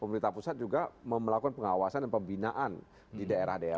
pemerintah pusat juga melakukan pengawasan dan pembinaan di daerah daerah